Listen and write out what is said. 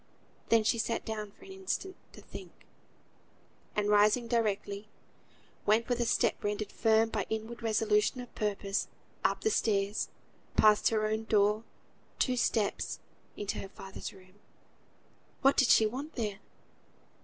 Then she sat down for an instant to think; and rising directly, went, with a step rendered firm by inward resolution of purpose, up the stairs; passed her own door, two steps, into her father's room. What did she want there?